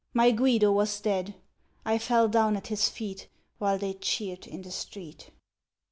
My Guido was dead! I fell down at his feet, While they cheered in the street.